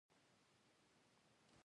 ياره د پښتو د پاره به خدمت کوو.